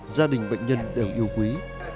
gia đình bệnh nhân đều yêu quý